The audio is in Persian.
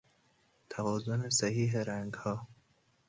توازن صحیح رنگها